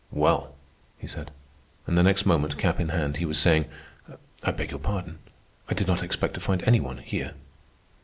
"Well," he said; and the next moment, cap in hand, he was saying, "I beg your pardon. I did not expect to find any one here."